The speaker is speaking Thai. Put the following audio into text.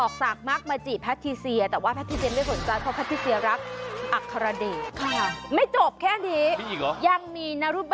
คุณอยากได้มีชื่อคุณอยู่ในนั้นหรอ